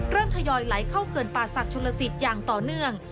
เริ่มทยอยไหลเข้าเขื่อนป่าศักดิ์ชนละศิษย์อย่างต่อเนื่อง